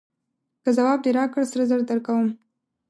که ځواب دې راکړ سره زر درکوم.